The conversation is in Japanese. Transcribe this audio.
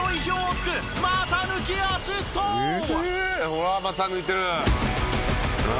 うわ股抜いてる！」